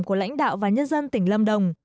của lãnh đạo và nhân dân tỉnh lâm đồng